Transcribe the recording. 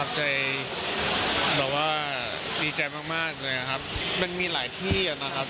แบบว่าดีใจมากเลยนะครับมันมีหลายที่อยู่แล้วนะครับ